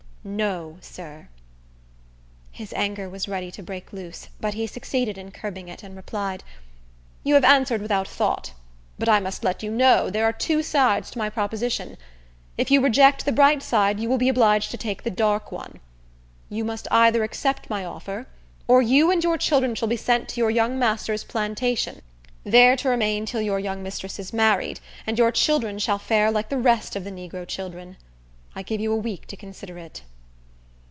"No, sir." His anger was ready to break loose; but he succeeded in curbing it, and replied, "You have answered without thought. But I must let you know there are two sides to my proposition; if you reject the bright side, you will be obliged to take the dark one. You must either accept my offer, or you and your children shall be sent to your young master's plantation, there to remain till your young mistress is married; and your children shall fare like the rest of the negro children. I give you a week to consider it."